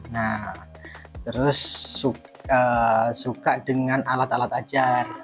nah terus suka dengan alat alat ajar